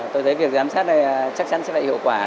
tôi thấy việc giám sát này chắc chắn sẽ lại hiệu quả